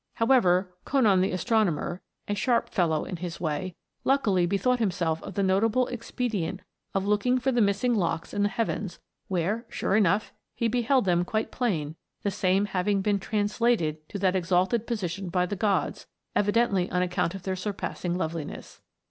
How ever, Conon the astronomer, a sharp fellow in his way, luckily bethought himself of the notable expe dient of looking for the missing locks in the heavens, where, sure enough, he beheld them quite plain, the same having been " translated" to that exalted posi 188 A FLIGHT THROUGH SPACE. tion by the gods, evidently on account of their surpassing loveliness.